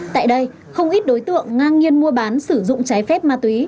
tại đây không ít đối tượng ngang nhiên mua bán sử dụng trái phép ma túy